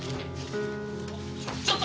ちょっと！